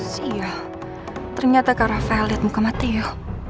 sial ternyata kak rafael lihat muka mateo